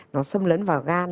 nó xâm lấn vào gan